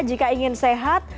jika ingin sehat